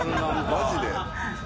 マジで？